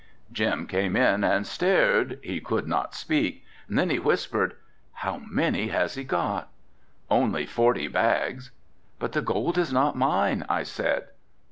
Jim came in and stared, he could not speak, then he whispered, "How many has he got?" "Only forty bags." "But the gold is not mine," I said.